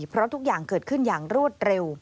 เพราะทุกอย่างเกิดขึ้นอย่างรวดเร็ว